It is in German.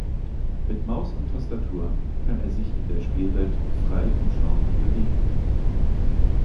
Mit Maus und Tastatur kann er sich in der Spielwelt frei umschauen und bewegen.